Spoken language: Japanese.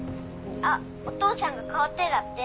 あっお父さんが代わってだって。